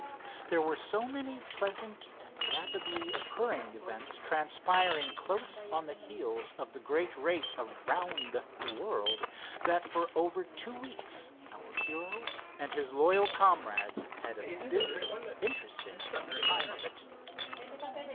There were so many pleasant and rapidly occurring events transpiring close on the heels of the great race around the world, that for over two weeks our hero and his loyal comrades had a busy, interesting time of it.